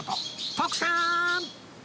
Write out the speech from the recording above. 徳さん！